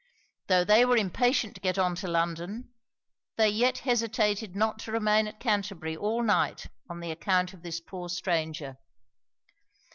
Tho' they were impatient to get on to London, they yet hesitated not to remain at Canterbury all night, on the account of this poor stranger.